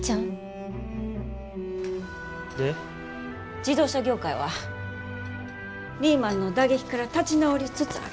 自動車業界はリーマンの打撃から立ち直りつつある。